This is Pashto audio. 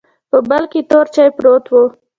په بل کې تور چاې پروت و.